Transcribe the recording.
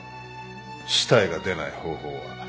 死体が出ない方法は。